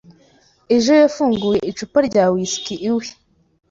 Ejo yafunguye icupa rya whiski iwe.